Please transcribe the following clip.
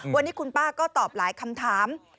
วันนี้คุณป้าก็ตอบหลายคำถาม